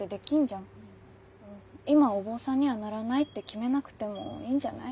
今お坊さんにはならないって決めなくてもいいんじゃない？